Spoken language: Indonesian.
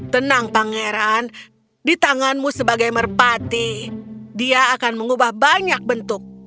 tenang pangeran di tanganmu sebagai merpati dia akan mengubah banyak bentuk